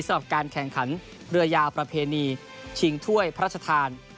สำหรับการแข่งขันเรือยาวประเพณีชิงถ้วยพระราชทาน